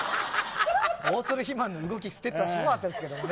大鶴肥満のステップすごかったですね。